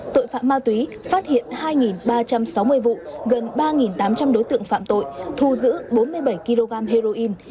tội phạm ma túy phát hiện hai ba trăm sáu mươi vụ gần ba tám trăm linh đối tượng phạm tội thu giữ bốn mươi bảy kg heroin